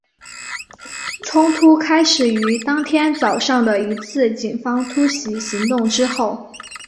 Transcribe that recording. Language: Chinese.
冲突开始于当天早上的一次警方突袭行动之后。